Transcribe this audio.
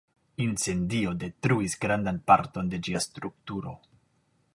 Incendio detruis grandan parton de ĝia strukturo.